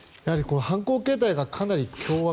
犯行形態がかなり凶悪。